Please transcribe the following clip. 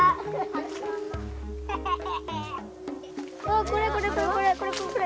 あこれこれこれこれ。